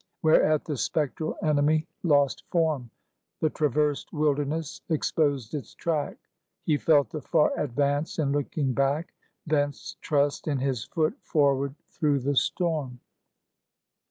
Whereat the spectral enemy lost form; The traversed wilderness exposed its track. He felt the far advance in looking back; Thence trust in his foot forward through the storm.